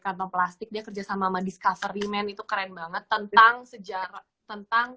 kantong plastik dia kerjasama medis cover imen itu keren banget tentang sejarah tentang